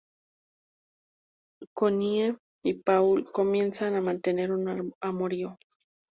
Connie y Paul comienzan a mantener un amorío.